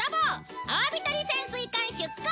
アワビ取り潜水艦出航！